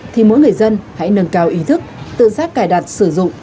thì mỗi người dân hãy nâng cao ý thức tự giác cài đặt sử dụng